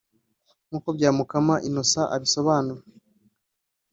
nkuko Byamukama Innocent abisobanura